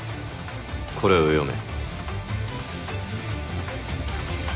これを読め。